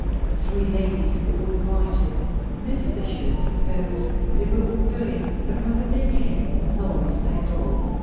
The three ladies were all invited. Mrs. Wishart supposed they were all going; but when the day came Lois begged off.